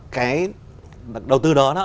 cái đầu tư đó